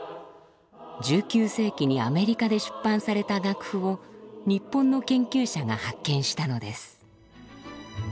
１９世紀にアメリカで出版された楽譜を日本の研究者が発見したのです。